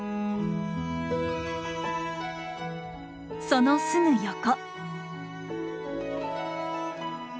そのすぐ横。